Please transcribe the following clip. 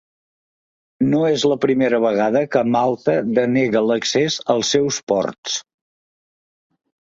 No és la primera vegada que Malta denega l’accés als seus ports.